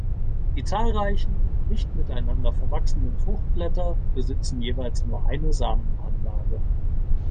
Die zahlreichen, nicht miteinander verwachsenen Fruchtblätter besitzen jeweils nur eine Samenanlage.